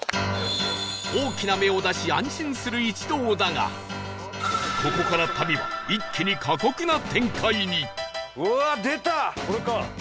大きな目を出し安心する一同だがここから旅は一気に過酷な展開に！